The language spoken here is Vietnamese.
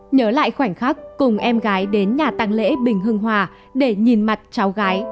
nhớ lại khoảnh khắc cùng em gái đến nhà tăng lễ bình hưng hòa để nhìn mặt cháu gái